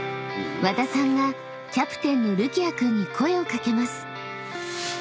［和田さんがキャプテンのるきあ君に声を掛けます］